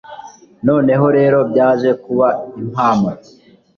noneho rero byaje kuba impamo